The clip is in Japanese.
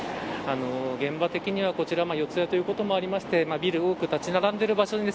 現場的にはこちら四谷ということもありましてビルが多く立ち並んでいます。